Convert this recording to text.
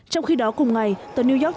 trong khi đó cùng ngày tờ new york